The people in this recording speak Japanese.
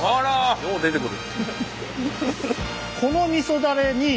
よう出てくる。